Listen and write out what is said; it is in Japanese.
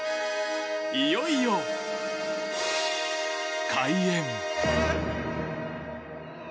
いよいよ開演。